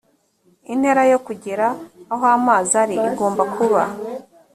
intera yo kugera aho amazi ari igomba kuba